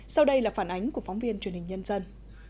sau đây là phản ánh của phóng viên truyền hình nhân dân